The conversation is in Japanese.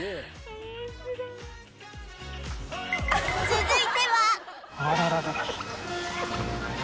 続いては